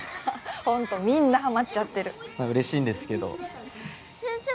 ホントみんなハマっちゃってる嬉しいんですけど先生